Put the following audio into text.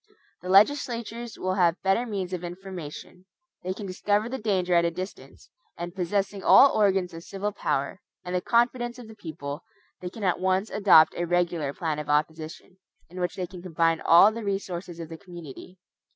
The legislatures will have better means of information. They can discover the danger at a distance; and possessing all the organs of civil power, and the confidence of the people, they can at once adopt a regular plan of opposition, in which they can combine all the resources of the community.